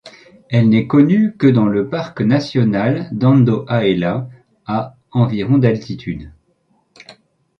Elle n'est connue que dans le parc national d'Andohahela, à environ d'altitude.